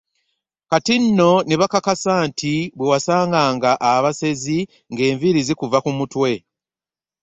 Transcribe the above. Kati nno ne bakakasa nti bwe wasanganga abasezi nga enviiri zikuva ku mutwe!